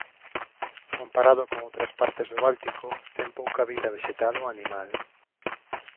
Comparado con outras partes do Báltico ten pouca vida vexetal ou animal.